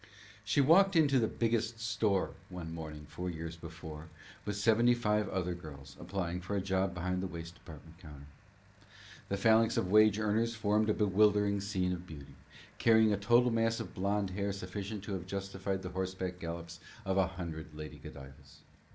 She walked into the Biggest Store one morning four years before with seventy five other girls, applying for a job behind the waist department counter. The phalanx of wage earners formed a bewildering scene of beauty, carrying a total mass of blond hair sufficient to have justified the horseback gallops of a hundred Lady Godivas.